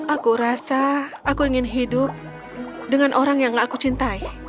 aku rasa aku ingin hidup dengan orang yang gak aku cintai